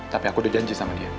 tapi aku udah janji sama dia